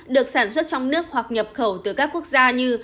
được sản xuất trong nước hoặc nhập khẩu từ các quốc gia như